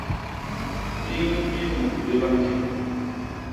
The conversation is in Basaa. Biñ i nnumb béba njiñ.